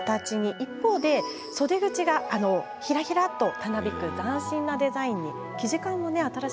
一方、袖口はひらひらとたなびく斬新なデザインに。